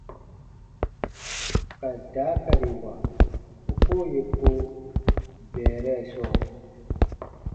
Ka daakariwa u koo yè ko bɛɛrɛ sɔɔ.